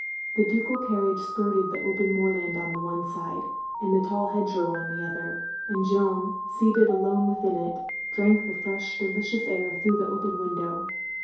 The ducal carriage skirted the open moorland on the one side, and the tall hedge row on the other, and Jeanne seated alone within it, drank the fresh delicious air through the open window.